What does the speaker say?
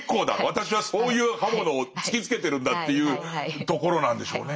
私はそういう刃物を突きつけてるんだっていうところなんでしょうね。